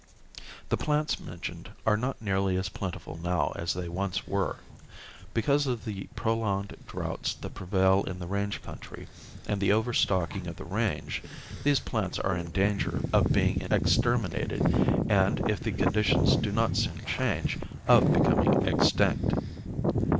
The plants mentioned are not nearly as plentiful now as they once were. Because of the prolonged droughts that prevail in the range country and the overstocking of the range these plants are in danger of being exterminated and, if the conditions do not soon change, of becoming extinct.